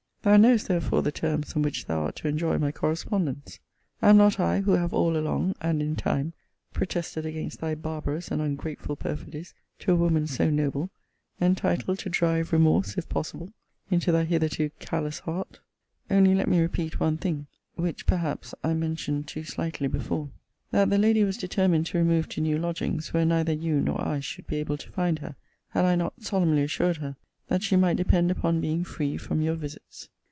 Thou knowest therefore the terms on which thou art to enjoy my correspondence. Am not I, who have all along, and in time, protested against thy barbarous and ungrateful perfidies to a woman so noble, entitled to drive remorse, if possible, into thy hitherto callous heart? Only let me repeat one thing, which perhaps I mentioned too slightly before. That the lady was determined to remove to new lodgings, where neither you nor I should be able to find her, had I not solemnly assured her, that she might depend upon being free from your visits.